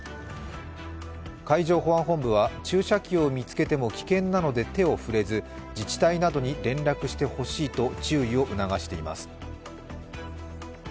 海上保安本部は注射器を見つけても危険なので手を触れず自治体などに連絡してほしいと注意を促しています。